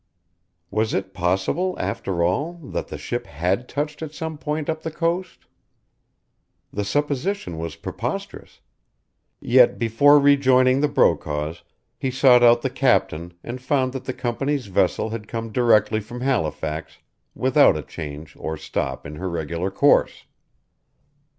Was it possible, after all, that the ship had touched at some point up the coast? The supposition was preposterous. Yet before rejoining the Brokaws he sought out the captain and found that the company's vessel had come directly from Halifax without a change or stop in her regular course.